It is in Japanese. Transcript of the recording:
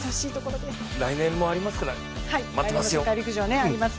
来年もありますから待ってます。